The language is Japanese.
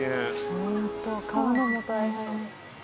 ホント買うのも大変。